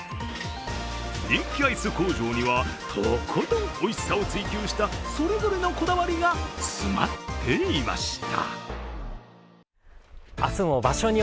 人気アイス工場には、とことんおいしさを追求したそれぞれのこだわりが詰まっていました。